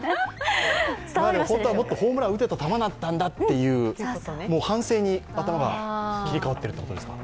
本当はもっとホームラン打てた球だったんだと反省に頭が切り替わっているということですか。